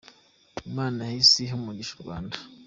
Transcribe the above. Imana yahise iha umugisha u Rwanda.